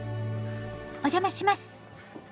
お邪魔します。